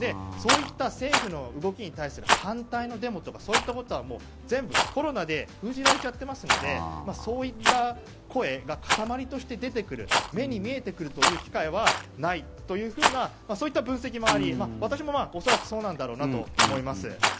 そういった政府の動きに対する反対のデモとかそういったことが全部コロナで封じられちゃっていますのでそういった声が塊として出てくる目に見えてくるという機会はないというふうなそういった分析もあり私も恐らくそうなんだろうなと思います。